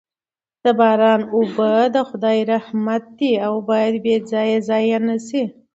د باران اوبه د خدای رحمت دی او باید بې ځایه ضایع نه سي.